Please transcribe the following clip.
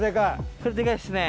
これデカいですね。